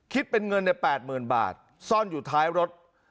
คิดเป็นเงินใน๘๐๐๐บาทซ่อนอยู่ท้ายรถ